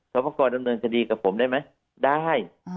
สอบประกอบดำเนินคดีกับผมได้ไหมได้